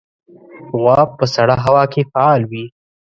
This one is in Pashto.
غوا په سړه هوا کې فعال وي.